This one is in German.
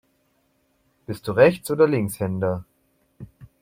Bist du Rechts- oder Linkshänder?